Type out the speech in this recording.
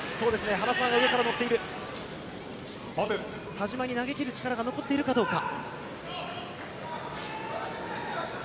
田嶋に投げきる力が残っているかどうか。